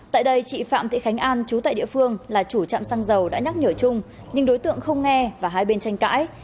tại đây chị phạm thị khánh an chú tại địa phương là chủ chạm xăng dầu đã nhắc nhở chung nhưng đối tượng không nghe và hai bên tranh cãi